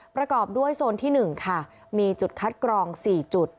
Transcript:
ประกอบด้วยโซนที่๑ค่ะมีจุดคัดกรอง๔จุด